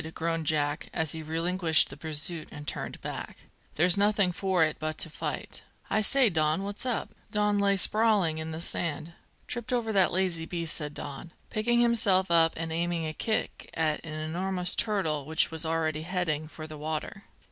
groaned Jack, as he relinquished the pursuit and turned back. "There's nothing for it but to fight. I say, Don, what's up?" Don lay sprawling in the sand. "Tripped over that lazy beast," said Don, picking himself up and aiming a kick at an enormous turtle which was already heading for the water.